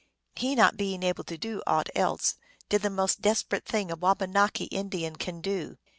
He, not being able to do aught else, did the most desperate thing a Wabanaki Indian can do.